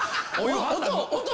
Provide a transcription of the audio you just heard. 音。